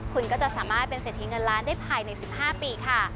คุณก็จะสามารถเป็นเศรษฐีเงินล้านได้ภายใน๑๕ปีค่ะ